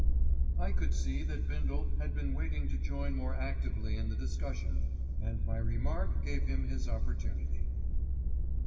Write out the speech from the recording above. I could see that Bindle had been waiting to join more actively in the discussion, and my remark gave him his opportunity.